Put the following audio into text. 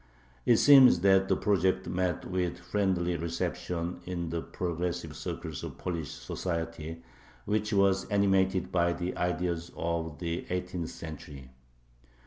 It seems that the project met with a friendly reception in the progressive circles of Polish society, which were animated by the ideas of the eighteenth century.